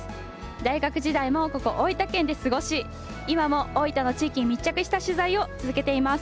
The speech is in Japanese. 大学時代もここ大分県で過ごし今も大分の地域に密着した取材を続けています。